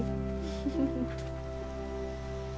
フフフ。